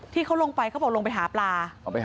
ที่เขาลงไปเขาบอกลงไปหาปลา